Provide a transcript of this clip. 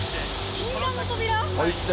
禁断の扉？